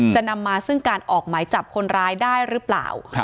จะนำมาซึ่งการออกหมายจับคนร้ายได้หรือเปล่า